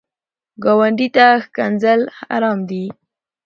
ګاونډي ته ښکنځل حرام دي